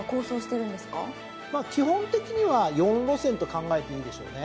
まあ基本的には４路線と考えていいでしょうね。